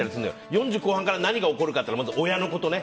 ４０後半から何が起こるかっていうとまず親のことね。